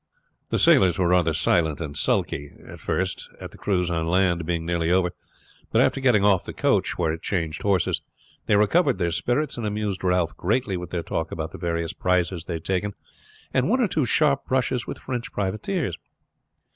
The sailors were rather silent and sulky, at first at the cruise on land being nearly over, but after getting off the coach where it changed horses they recovered their spirits, and amused Ralph greatly with their talk about the various prizes they had taken, and one or two sharp brashes with French privateers.